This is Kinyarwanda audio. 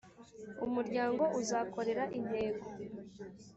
Umuryango uzakorera intego